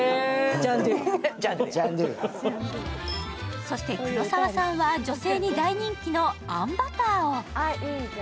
そして、黒沢さんは女性に大人気のあんバターを。